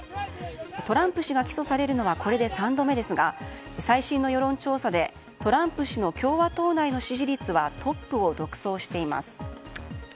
トランプ氏が起訴されるのはこれで３度目ですが最新の世論調査でトランプ氏の共和党内での支持率はトップを独走しています。